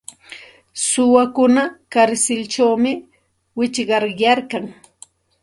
Suwakuna karsilćhawmi wichqaryarkan.